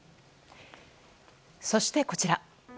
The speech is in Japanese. そして、こちら。